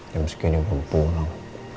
jam segini belum pulang